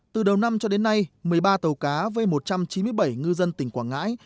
từ đầu năm cho đến nay một mươi ba tàu cá với một trăm chín mươi bảy ngư dân tỉnh quảng ngãi